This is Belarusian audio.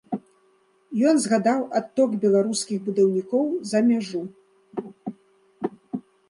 Ён згадаў адток беларускіх будаўнікоў за мяжу.